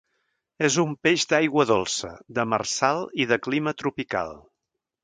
És un peix d'aigua dolça, demersal i de clima tropical.